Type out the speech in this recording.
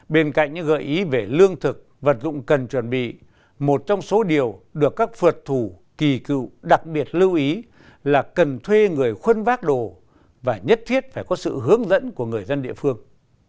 bên cạnh những gợi ý về lương thực vật dụng cần chuẩn bị một trong số điều được các phật thủ kỳ cựu đặc biệt lưu ý là cần thuê người khuân vác đồ và nhất thiết phải có sự hướng dẫn của người dân địa phương